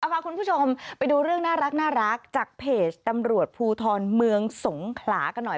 พาคุณผู้ชมไปดูเรื่องน่ารักจากเพจตำรวจภูทรเมืองสงขลากันหน่อย